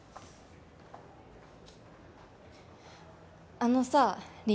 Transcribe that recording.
あのさ凛